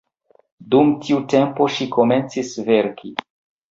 Dum tiu tempo ŝi komencis verki.